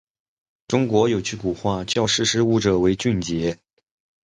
中国有句古话，叫“识时务者为俊杰”。